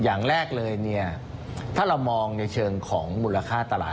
อย่างแรกเลยเนี่ยถ้าเรามองในเชิงของมูลค่าตลาด